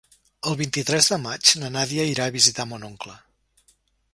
El vint-i-tres de maig na Nàdia irà a visitar mon oncle.